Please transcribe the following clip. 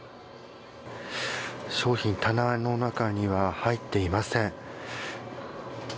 商品、棚の中には入っていません。